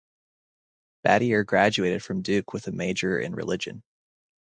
Battier graduated from Duke with a major in religion.